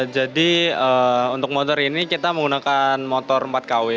jadi untuk motor ini kita menggunakan motor empat kw